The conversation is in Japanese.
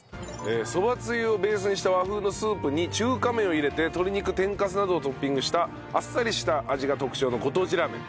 そばつゆをベースにした和風のスープに中華麺を入れて鶏肉天かすなどをトッピングしたあっさりした味が特徴のご当地ラーメン。